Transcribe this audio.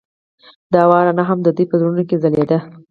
د هوا رڼا هم د دوی په زړونو کې ځلېده.